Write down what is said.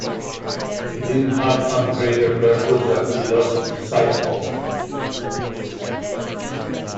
He didn't have some greater purpose that he lost sight of.